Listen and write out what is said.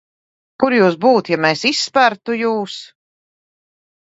Kur jūs būtu, ja mēs izspertu jūs?